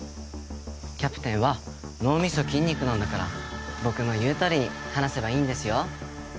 キャプテンは脳みそ筋肉なんだから僕の言うとおりに話せばいいんですよ。